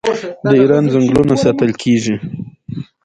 د ایران ځنګلونه ساتل کیږي.